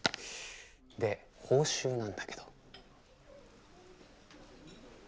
で報酬なんだけど。